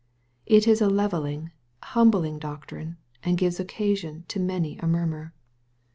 It is a levelling, humbling doctrine, and gives occasion to many a murmur.